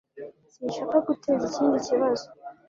Sinshaka guteza ikindi kibazo